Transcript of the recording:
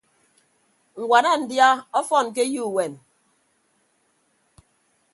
Ññwana ndia ọfọn ke eyo uwem.